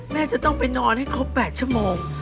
แม่จะต้องไปนอนให้ครบ๘ชั่วโมง